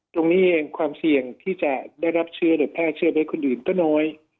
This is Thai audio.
ตรงนี้เองความเสี่ยงที่จะได้รับเชื้อหรือแพร่เชื้อไปคนอื่นก็น้อย